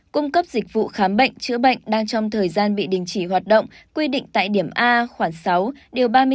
cung cấp dịch vụ khám bệnh chữa bệnh đang trong thời gian bị đình chỉ hoạt động quy định tại điểm a khoảng sáu điều ba mươi bốn